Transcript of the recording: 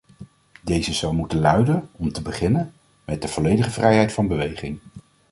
Deze zou moeten luiden, om te beginnen: met de volledige vrijheid van beweging.